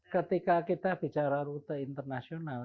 ketika kita bicara rute internasional